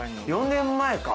４年前か。